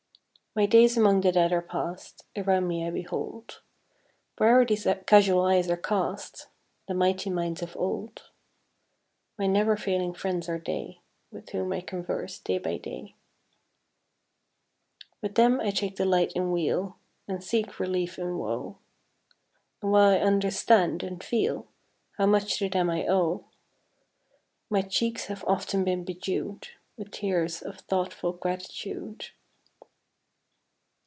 My days among the Dead are past; Around me I behold, Where'er these casual eyes are cast, The mighty minds of old: My never failing friends are they, With whom I converse day by day. With them I take delight in weal And seek relief in woe; And while I understand and feel How much to them I owe, My cheeks have often been bedew'd With tears of thoughtful gratitude.